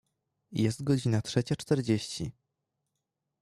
Jest godzina trzecia czterdzieści.